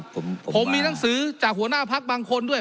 ผมผมมีหนังสือจากหัวหน้าพักบางคนด้วย